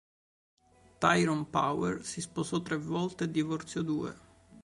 Tyrone Power si sposò tre volte e divorziò due.